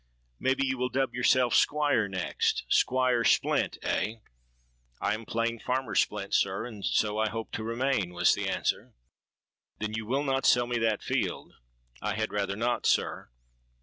May be you will dub yourself Squire next! Squire Splint, eh?'—'I am plain Farmer Splint, sir, and so I hope to remain,' was the answer.—'Then you will not sell me that field?'—'I had rather not, sir.'